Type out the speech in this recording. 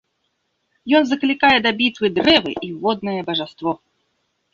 Ён заклікае да бітвы дрэвы і воднае бажаство.